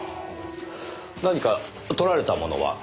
何か盗られたものは？